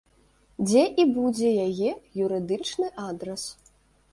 Дзе і будзе яе юрыдычны адрас.